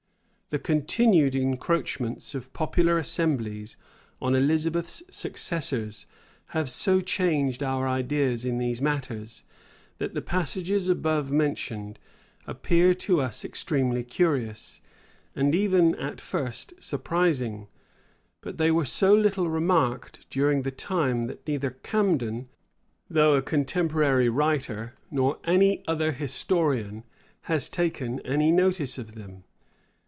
The continued encroachments of popular assemblies on Elizabeth's successors have so changed our ideas in these matters, that the passages above mentioned appear to us extremely curious, and even, at first, surprising; but they were so little remarked, during the time, that neither Camden, though a contemporary writer, nor any other historian, has taken any notice of them.